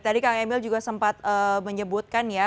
tadi kang emil juga sempat menyebutkan ya